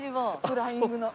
フライングの。